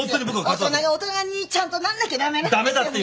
大人が大人にちゃんとなんなきゃ駄目なんですよね。